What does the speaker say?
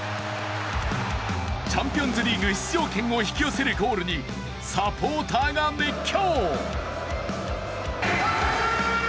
チャンピオンズリーグ出場権を引き寄せるゴールにサポーターが熱狂。